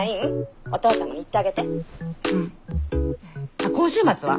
あっ今週末は？